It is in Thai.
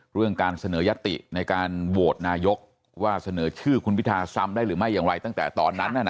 เรื่องการเสนอยติในการโหวตนายกว่าเสนอชื่อคุณพิธาซ้ำได้หรือไม่อย่างไรตั้งแต่ตอนนั้น